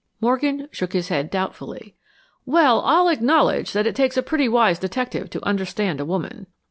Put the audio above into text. Morgan shook his head doubtfully. "Well, I'll acknowledge that it takes a pretty wise detective to understand a woman."